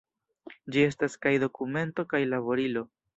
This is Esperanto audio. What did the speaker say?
Ĝi estas kaj dokumento kaj laborilo.